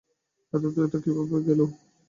এত দ্রুত কীভাবে খেলো?